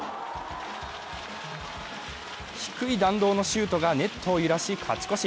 低い弾道のシュートがネットを揺らし勝ち越し。